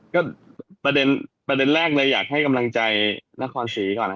ก็ประเด็นแรกเลยอยากให้กำลังใจนครศรีก่อน